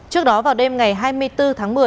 trước đó vào đêm ngày hai mươi bốn tháng một mươi